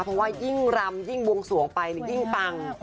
เพราะว่ายิ่งรำยิ่งบวงสวงไปยิ่งปัง